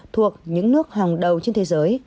thuộc những nước hòng đầu trên thế giới